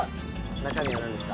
中身はなんですか？